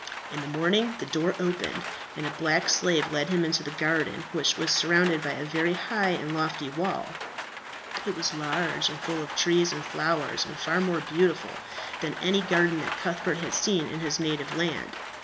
In the morning the door opened, and a black slave led him into the garden, which was surrounded by a very high and lofty wall. It was large, and full of trees and flowers, and far more beautiful than any garden that Cuthbert had seen in his native land.